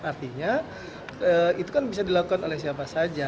artinya itu kan bisa dilakukan oleh siapa saja